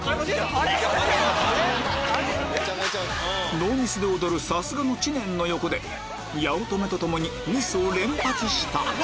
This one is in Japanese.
ノーミスで踊るさすがの知念の横で八乙女と共にミスを連発した